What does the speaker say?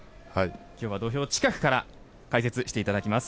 土俵近くから解説していただきます。